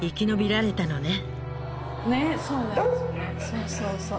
そうそうそう。